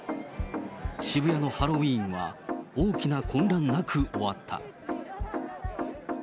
渋谷のハロウィーンは大きな混乱なく終わった。